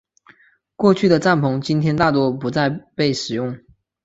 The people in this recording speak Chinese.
过去的帐篷今天大多不再被使用。